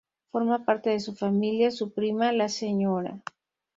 Forma parte de su familia su prima, la Sra.